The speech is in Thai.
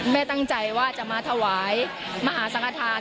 แม่ตั้งใจว่าจะมาถวายมหาสังฆฐาน